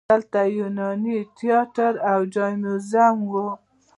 دلته یوناني تیاتر او جیمنازیوم و